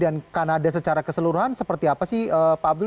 dan kanada secara keseluruhan seperti apa sih pak abdul